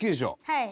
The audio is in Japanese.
はい。